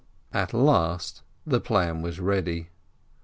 At last the plan was ready.